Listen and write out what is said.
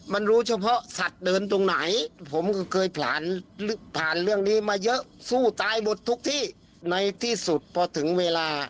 มันรู้เฉพาะสัตว์เดินตรงไหนผมก็เคยผ่านเรื่องนี้มาเยอะสู้ตายหมดทุกที่ในที่สุดพอถึงเวลา